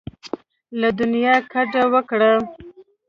له دنیا کډه وکړه.